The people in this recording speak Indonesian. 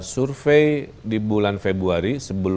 survei di bulan februari